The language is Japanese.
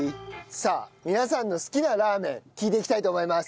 さあ皆さんの好きなラーメン聞いていきたいと思います。